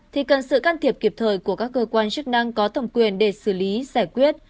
thì cần sự can thiệp kịp thời của các cơ quan chức năng có thẩm quyền để xử lý giải quyết